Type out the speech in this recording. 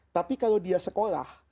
tapi kalau dia sekolah